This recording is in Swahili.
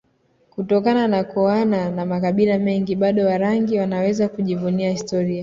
kutokana na kuoana na makabila mengine bado Warangi wanaweza kujivunia historia